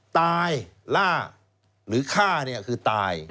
ตายล่าหรือฆ่าเนี่ยคือตาย